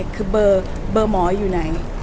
คือเบอร์หมออยู่ไหน